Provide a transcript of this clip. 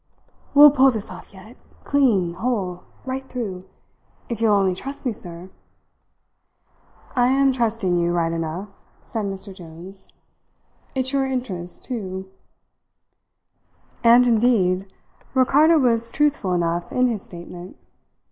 "We'll pull this off yet clean whole right through, if you will only trust me, sir." "I am trusting you right enough," said Mr. Jones. "It's your interest, too." And, indeed, Ricardo was truthful enough in his statement.